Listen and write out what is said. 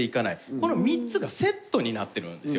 この３つがセットになってるんですよ。